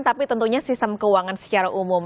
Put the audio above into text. tapi tentunya sistem keuangan secara umum